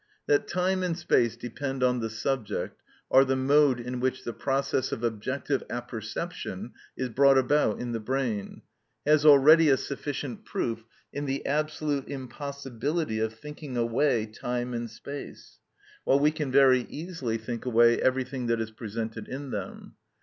That time and space depend on the subject, are the mode in which the process of objective apperception is brought about in the brain, has already a sufficient proof in the absolute impossibility of thinking away time and space, while we can very easily think away everything that is presented in them.